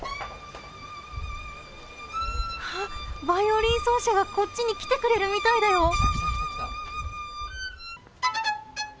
バイオリン奏者がこっちに来てくれるみたいだよ。